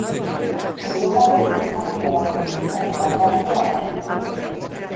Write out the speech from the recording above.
Europako burges familia baten bizitzaren bat-bateko argazkia.